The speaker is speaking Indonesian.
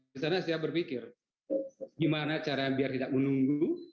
jadi saya berpikir gimana caranya biar tidak menunggu